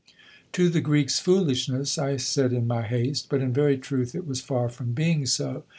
"To the Greeks foolishness," I said in my haste; but in very truth it was far from being so.